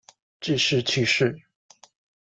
致仕去世。